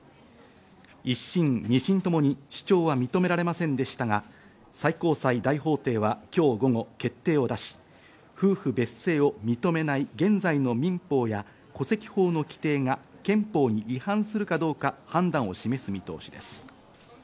一審ニ審ともに主張は認められませんでしたが最高裁大法廷は今日午後決定を出し、夫婦別姓を認めない現在の民法や戸籍法の規定が憲法に違反するかどうか判断を示す見通しです。